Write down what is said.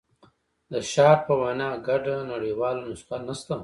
د شارپ په وینا ګډه نړیواله نسخه نشته.